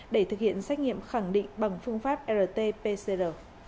để thực hiện xét nghiệm khẳng định bằng phương pháp rt pcr